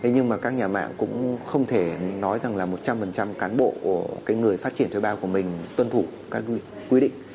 nhưng mà các nhà mạng cũng không thể nói rằng là một trăm linh cán bộ người phát triển thuê bao của mình tuân thủ các quy định